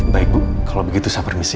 baik bu kalau begitu saya permisi